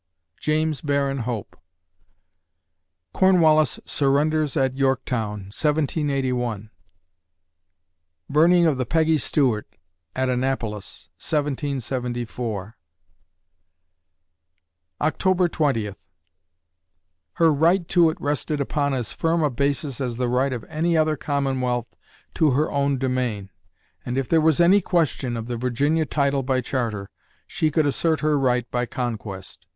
JAMES BARRON HOPE Cornwallis surrenders at Yorktown, 1781 Burning of the "Peggy Stewart" at Annapolis, 1774 October Twentieth Her right to it rested upon as firm a basis as the right of any other Commonwealth to her own domain, and if there was any question of the Virginia title by charter, she could assert her right by conquest.